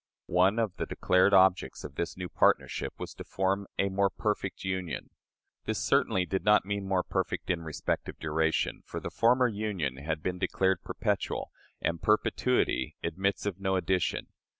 One of the declared objects of this new partnership was to form "a more perfect union." This certainly did not mean more perfect in respect of duration; for the former union had been declared perpetual, and perpetuity admits of no addition.